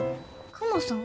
クマさん？